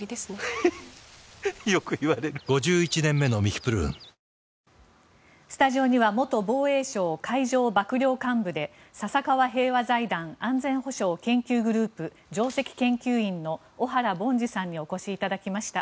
スタジオには元防衛省海上幕僚監部で笹川平和財団安全保障研究グループ上席研究員の小原凡司さんにお越しいただきました。